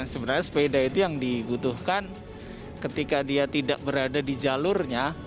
sebenarnya sepeda itu yang dibutuhkan ketika dia tidak berada di jalurnya